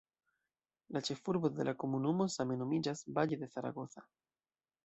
La ĉefurbo de la komunumo same nomiĝas "Valle de Zaragoza".